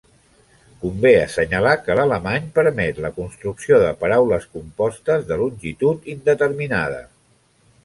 Convé assenyalar que l'alemany permet la construcció de paraules compostes de longitud indeterminada.